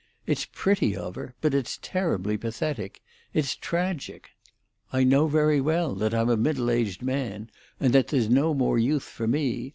It's pretty of her, but it's terribly pathetic—it's tragic. I know very well that I'm a middle aged man, and that there's no more youth for me.